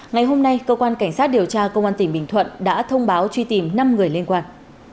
ngày hôm nay cơ quan cảnh sát điều tra công an tỉnh bình thuận đã thông báo truy tìm năm người liên quan